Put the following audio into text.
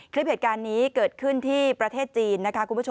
คลิปเหตุการณ์นี้เกิดขึ้นที่ประเทศจีน